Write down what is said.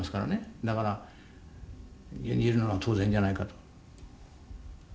だから殉じるのは当然じゃないかと。